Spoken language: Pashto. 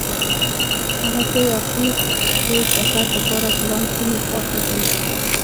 هغتې اخیر کې چکر دپاره پلان کومې خوا ته دي.